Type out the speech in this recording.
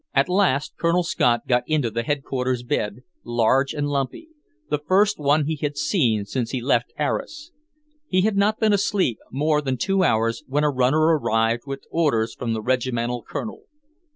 At last Colonel Scott got into the Headquarters bed, large and lumpy, the first one he had seen since he left Arras. He had not been asleep more than two hours, when a runner arrived with orders from the Regimental Colonel.